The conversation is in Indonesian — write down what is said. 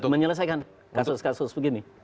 menyelesaikan kasus kasus begini